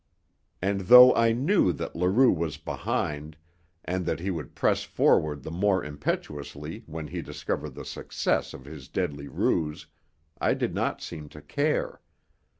And though I knew that Leroux was behind, and that he would press forward the more impetuously when he discovered the success of his deadly ruse, I did not seem to care.